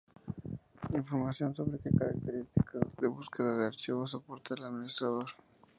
Información sobre que características de búsqueda de archivos soporta el administrador.